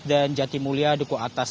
dan jati mulia duku atas